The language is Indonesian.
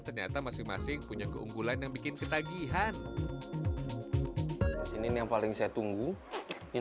ternyata masing masing punya keunggulan yang bikin ketagihan ini yang paling saya tunggu yang